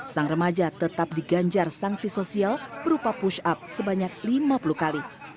sang remaja tetap diganjar sanksi sosial berupa push up sebanyak lima puluh kali